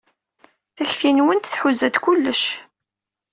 Takti-nwent tḥuza-d kullec.